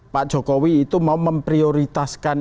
pak jokowi itu mau memprioritaskan